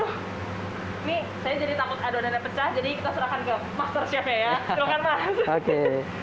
aduh ini saya jadi takut adonannya pecah jadi kita serahkan ke master chef ya ya dong kan mas